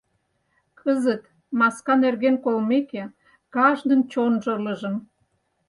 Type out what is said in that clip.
Кызыт, маска нерген колмеке, кажнын чонжо ылыжын.